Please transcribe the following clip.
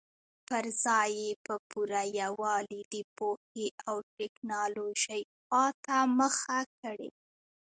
پر ځای یې په پوره یووالي د پوهې او ټکنالوژۍ خواته مخه کړې.